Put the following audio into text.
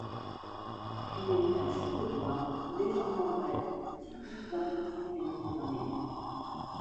Les mêmes cheveux bruns légèrement raides typiques d’un profil méditerranéen.